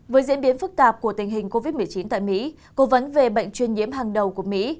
với diễn biến phức tạp của tình hình covid một mươi chín tại mỹ cố vấn về bệnh chuyên nhiễm hàng đầu của mỹ